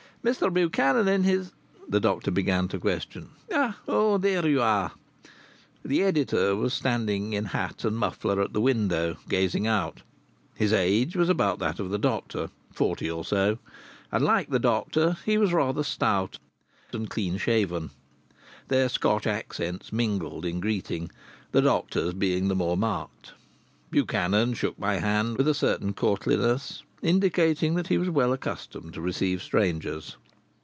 "Mr Buchanan in his " the doctor began to question. "Oh! There you are!" The editor was standing in hat and muffler at the window, gazing out. His age was about that of the doctor forty or so; and like the doctor he was rather stout and clean shaven. Their Scotch accents mingled in greeting, the doctor's being the more marked. Buchanan shook my hand with a certain courtliness, indicating that he was well accustomed to receive strangers.